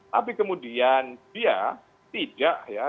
tapi kemudian dia tidak ya